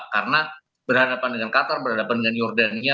karena berhadapan dengan qatar berhadapan dengan jordania